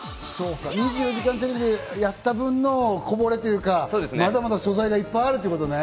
『２４時間テレビ』でやった分のこぼれというか、まだまだ素材がいっぱいあるってことね。